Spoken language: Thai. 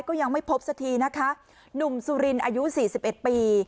ก็ยังไม่พบสักทีนะคะหนุ่มสุรินอายุสี่สิบเอ็ดปี